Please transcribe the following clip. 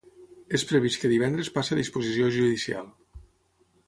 És previst que divendres passe a disposició judicial.